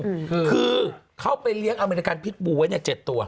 คือคือเขาไปเลี้ยงอเมริกันพิษบูไว้เนี้ยเจ็ดตัว